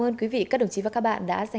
mời quý vị và các bạn cùng chú ý đón xem